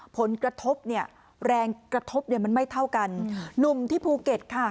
ผลกระทบเนี่ยแรงกระทบเนี่ยมันไม่เท่ากันหนุ่มที่ภูเก็ตค่ะ